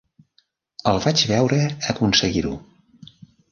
El vaig veure aconseguir-ho.